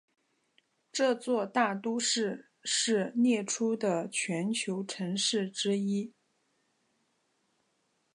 这座大都市是列出的全球城市之一。